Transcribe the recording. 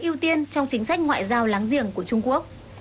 ưu tiên trong chính sách ngoại giao láng giềng của trung quốc